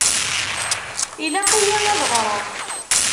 Ilaq-iyi ad ɣṛeɣ.